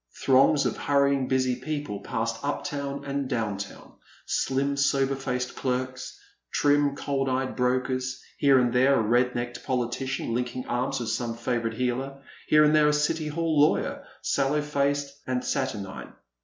Throngs of hurrying busy people passed up town and down town, slim sober faced clerks, trim cold eyed brokers, here and there a red necked politician linking arms with some favourite heeler, here and there a City Hall lawyer, sallow faced and saturnine.